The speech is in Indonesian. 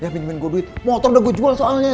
jamin gue duit motor udah gue jual soalnya